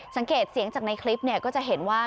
สังเกตเสียงจากในคลิปเนี่ยก็จะเห็นว่า